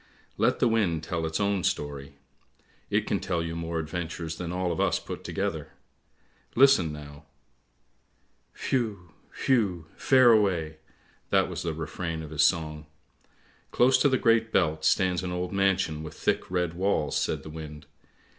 Let the wind tell its own story! It can tell you more adventures than all of us put together. Listen now, —" Whew! whew! fare away! " That was the refrain of his song. " Close to the Great Belt stands an old mansion with thick red walls," says the wind.